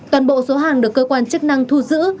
toàn bộ số hàng được cơ quan chức năng thu giữ